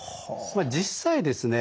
まあ実際ですね